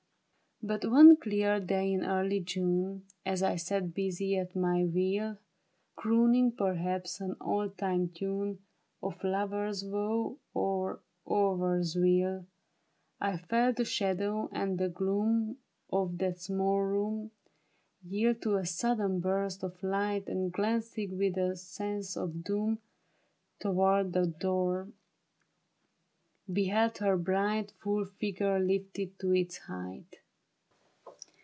But one clear day in early June As I sat busy at my wheel, Crooning perhaps an old time tune Of lover's woe or : over's weal, I felt the shadow and the gloom Of that small room Yield to a sudden burst of light. And glancing with a sense of doom Toward the door, beheld her bright, Full figure lifted to its height.